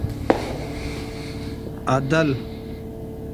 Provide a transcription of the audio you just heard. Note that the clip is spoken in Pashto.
عدل